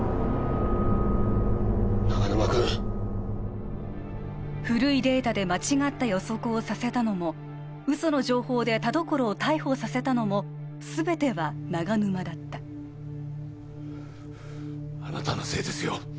長沼君古いデータで間違った予測をさせたのも嘘の情報で田所を逮捕させたのも全ては長沼だったあなたのせいですよ